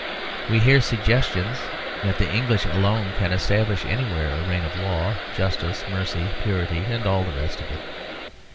We hear suggestions that the English alone can establish anywhere a reign of law, justice, mercy, purity and all the rest of it.